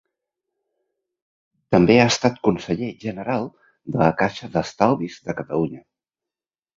També ha estat conseller general de la Caixa d'Estalvis de Catalunya.